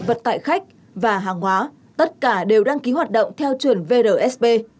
vận tải khách và hàng hóa tất cả đều đăng ký hoạt động theo chuẩn vrsb